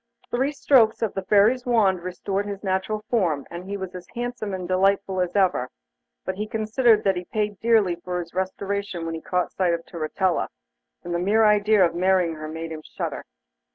Three strokes of the Fairy's wand restored his natural form, and he was as handsome and delightful as ever, but he considered that he paid dearly for his restoration when he caught sight of Turritella, and the mere idea of marrying her made him shudder.